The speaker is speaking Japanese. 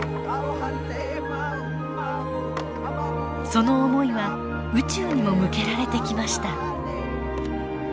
その思いは宇宙にも向けられてきました。